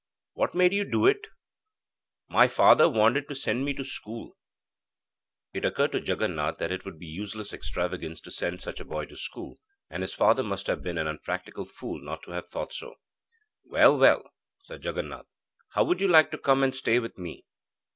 'What made you do it?' 'My father wanted to send me to school.' It occurred to Jaganath that it would be useless extravagance to send such a boy to school, and his father must have been an unpractical fool not to have thought so. 'Well, well,' said Jaganath, 'how would you like to come and stay with me?'